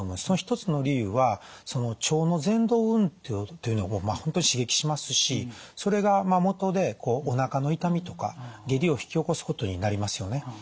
その一つの理由は腸のぜんどう運動っていうのを本当に刺激しますしそれがもとでおなかの痛みとか下痢を引き起こすことになりますよね。